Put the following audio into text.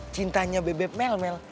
cintanya bebe mel mel